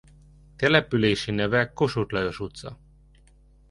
Települési neve Kossuth Lajos utca.